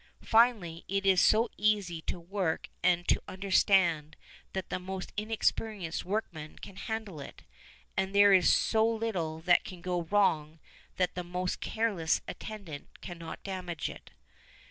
Finally, it is so easy to work and to understand that the most inexperienced workman can handle it, and there is so little that can go wrong that the most careless attendant cannot damage it.